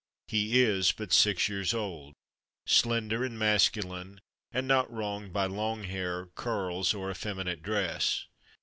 He is but six years old, slender and masculine, and not wronged by long hair, curls, or effeminate dress.